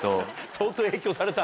相当影響された。